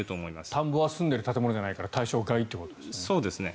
田んぼは住んでいる建物じゃないから対象外ということですね。